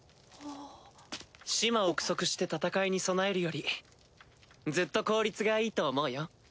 揣摩臆測して戦いに備えるよりずっと効率がいいと思うよ。